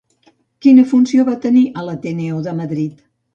Quina funció va tenir a l'Ateneo de Madrid?